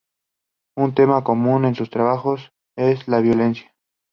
Un tema común en sus trabajos es la violencia.